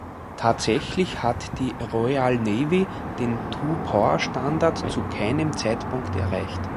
Tatsächlich hat die Royal Navy den Two-Power-Standard zu keinem Zeitpunkt erreicht.